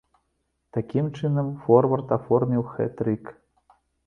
Такім чынам, форвард аформіў хэт-трык.